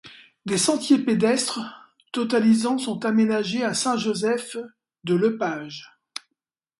Des sentiers pédestres totalisant sont aménagés à Saint-Joseph-de-Lepage.